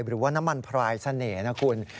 หรือว่าน้ำมันพลายเสน่ห์นะคุณ